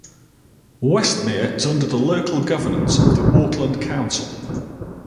Westmere is under the local governance of the Auckland Council.